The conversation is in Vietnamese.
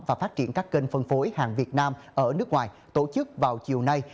và phát triển các kênh phân phối hàng việt nam ở nước ngoài tổ chức vào chiều nay